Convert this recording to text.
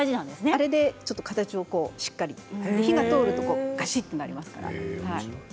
それで形をしっかり火が通ると、がしっとなります。